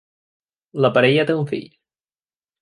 La parella té un fill.